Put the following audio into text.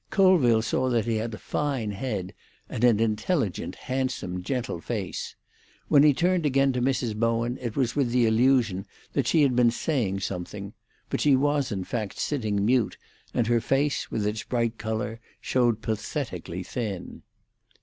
Colville saw that he had a fine head, and an intelligent, handsome, gentle face. When he turned again to Mrs. Bowen it was with the illusion that she had been saying something; but she was, in fact, sitting mute, and her face, with its bright colour, showed pathetically thin.